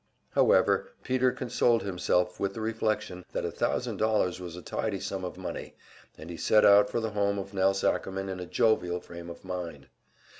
However, Peter consoled himself with the reflection that a thousand dollars was a tidy sum of money, and he set out for the home of Nelse Ackerman in a jovial frame of mind.